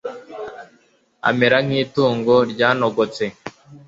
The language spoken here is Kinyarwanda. amera nk'itungo ryanogotse